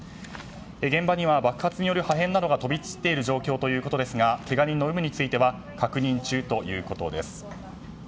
現場には爆発による破片などが飛び散っている状況ということですがけが人の有無については確認中ということです。